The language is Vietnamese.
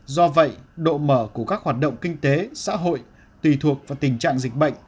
do vậy độ mở của các hoạt động kinh tế xã hội tùy thuộc vào tình trạng dịch bệnh